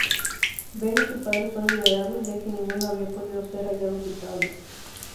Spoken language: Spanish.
Ben y su padre son liberados, ya que ninguno había podido ser hallado culpable.